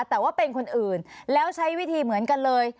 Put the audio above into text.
แต่ว่าเป็นคนอื่นแล้วใช้วิธีเหมือนกันเลย